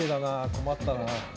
困ったな。